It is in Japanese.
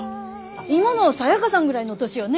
今のサヤカさんぐらいの年よね？